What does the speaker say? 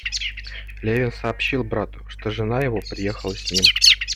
Левин сообщил брату, что жена его приехала с ним.